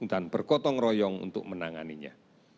dan berkotong royong untuk menanganinya